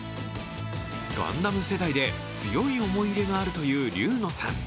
ガンダム世代で強い思い入れがあるというリューノさん。